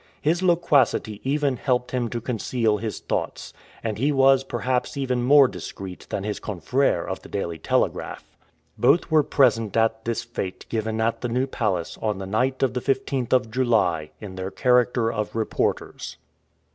His loquacity even helped him to conceal his thoughts, and he was perhaps even more discreet than his confrère of the Daily Telegraph. Both were present at this fête given at the New Palace on the night of the 15th of July in their character of reporters.